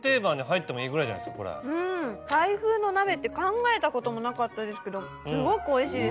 うんタイ風の鍋って考えたこともなかったですけどすごくおいしいです。